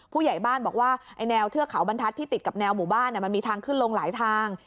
ผู้ใหญ่บ้านบอกว่าไอ้แนวเทือกเขาบรรทัศน์ที่ติดกับแนวหมู่บ้านมันมีทางขึ้นลงหลายทาง